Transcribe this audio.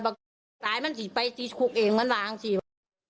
หากสายมันสิไปสิควรแต่งมันหลานวะ